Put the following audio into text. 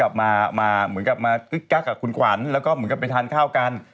แล้วก็เหมือนกับมากับคุณขวัญแล้วก็เหมือนกับไปทานข้าวกัน